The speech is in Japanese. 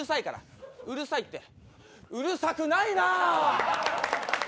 うるさいって、うるさくないな。